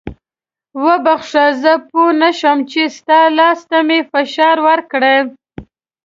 وبخښه زه پوه نه شوم چې ستا لاس ته مې فشار ورکړی.